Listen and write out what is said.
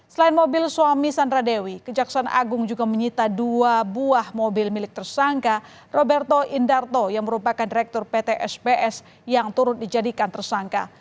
selain mobil suami sandra dewi kejaksaan agung juga menyita dua buah mobil milik tersangka roberto indarto yang merupakan direktur pt sps yang turut dijadikan tersangka